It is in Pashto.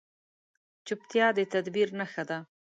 چپتیا، د تدبیر نښه ده.